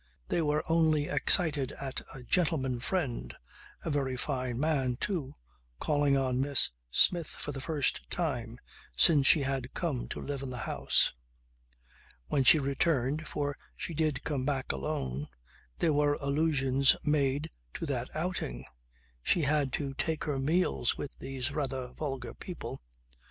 They were only excited at a "gentleman friend" (a very fine man too) calling on Miss Smith for the first time since she had come to live in the house. When she returned, for she did come back alone, there were allusions made to that outing. She had to take her meals with these rather vulgar people.